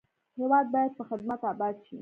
هېواد باید په خدمت اباد شي.